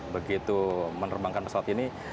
begitu menerbangkan pesawat ini